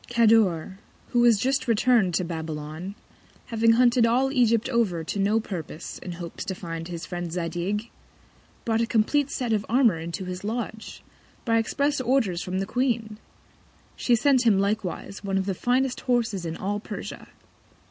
Cador, who was just return'd to Babylon, having hunted all Egypt over to no Purpose, in Hopes to find his Friend Zadig, brought a compleat set of Armour into his Lodge, by express Orders from the Queen: She sent him likewise One of the finest Horses in all Persia.